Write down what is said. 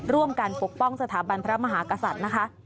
ร่วมกันปกป้องสถาบันพระมหากษัตริย์นะคะ